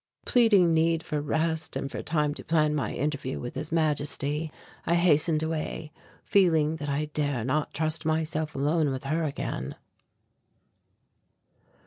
Pleading need for rest and for time to plan my interview with His Majesty, I hastened away, feeling that I dare not trust myself alone with her again.